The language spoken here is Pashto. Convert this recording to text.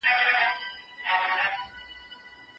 د ملي مسایلو د حل لپاره به دا تر ټولو غوره لاره وه.